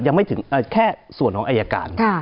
ยังไม่ถึงแค่ส่วนของอายการ